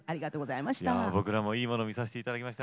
いや僕らもいいもの見させていただきました。